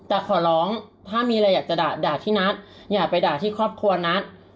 แอรี่แอรี่แอรี่แอรี่แอรี่แอรี่แอรี่